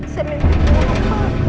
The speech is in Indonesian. saya mimpi itu banget